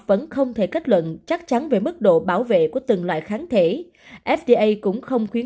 vẫn không thể kết luận chắc chắn về mức độ bảo vệ của từng loại kháng thể fda cũng không khuyến